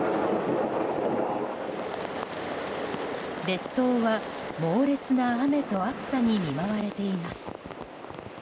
列島は猛烈な雨と暑さに見舞われています。